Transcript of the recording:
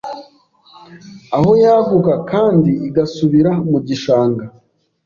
Aho yaguka kandi igasubira mu gishanga